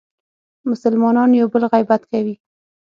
مسلمانان یو بل غیبت کوي.